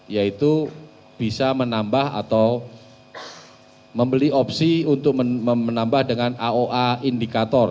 yaitu bisa menambah atau membeli opsi untuk menambah dengan aoa indikator